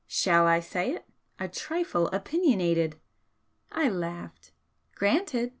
SHALL I say it? a trifle opinionated!" I laughed. "Granted!"